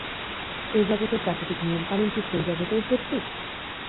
এ-জগতের প্রাকৃতিক নিয়নকানুন কি সেই জগতেও সত্যি?